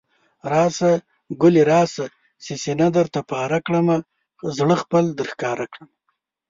راشه ګلي راشه، چې سينه درته پاره کړمه، زړه خپل درښکاره کړمه